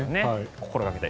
心掛けて。